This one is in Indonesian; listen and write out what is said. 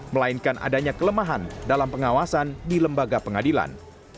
melainkan adanya kelemahan dalam pengawasan di lembaga pengadilan